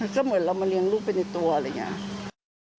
ก็เหมือนเรามาเลี้ยงลูกไปในตัวอะไรอย่างนี้